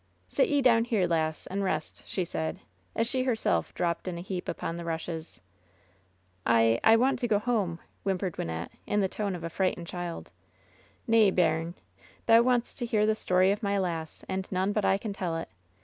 "Sit ye down here, lass, and rest," she said, as she her self dropped in a heap upon the rushes. "I — ^I want to go home," whimpered Wynnette, in the tone of a frightened child. "Nay, bairn, thou wants to hear the story of my lass, and none but I can tell it.